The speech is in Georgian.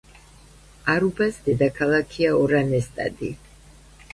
არუბას დედაქალაქია ორანესტადი.